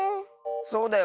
そうだよ